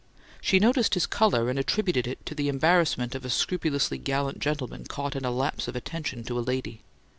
She noticed his colour, and attributed it to the embarrassment of a scrupulously gallant gentleman caught in a lapse of attention to a lady.